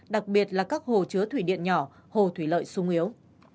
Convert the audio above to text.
đặc biệt là các hồ chứa thủy điện nhỏ hồ thủy lợi sung yếu